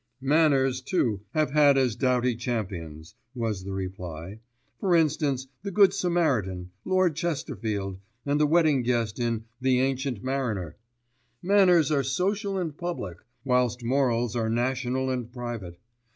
"Manners, too, have had as doughty champions," was the reply, "for instance, the Good Samaritan, Lord Chesterfield, and the wedding guest in The Ancient Mariner. Manners are social and public, whilst morals are national and private.